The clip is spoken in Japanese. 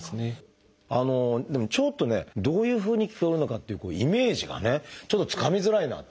でもちょっとねどういうふうに聞こえるのかっていうイメージがねちょっとつかみづらいなっていう。